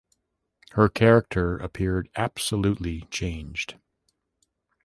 Her character appeared absolutely changed.